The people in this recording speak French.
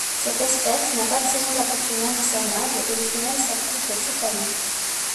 Cette espèce n'a pas de saison d'accouplement discernable et les femelles s'accouplent toute l'année.